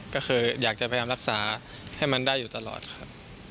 ก็คืออยากจะพยายามรักษาให้มันได้อยู่ตลอดครับ